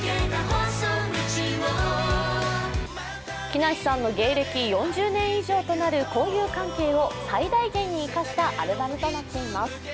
木梨さんの芸歴４０年以上となる交友関係を最大限に生かしたアルバムとなっています。